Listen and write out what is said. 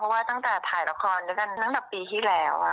ว่าตั้งแต่ถ่ายละครด้วยกันตั้งแต่ปีที่แล้ว